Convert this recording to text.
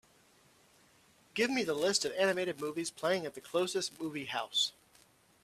Give me the list of animated movies playing at the closest movie house